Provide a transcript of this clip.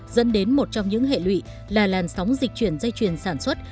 dẫn đến một trong những hệ lụy là làn sóng dịch chuyển dây chuyền sản xuất